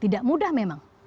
tidak mudah memang